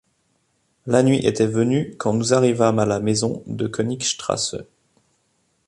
La nuit était venue quand nous arrivâmes à la maison de Königstrasse.